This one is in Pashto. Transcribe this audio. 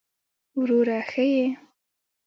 وروره ښه يې!